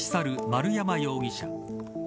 丸山容疑者。